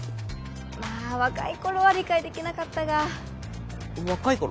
まあ若い頃は理解できなかったが若い頃？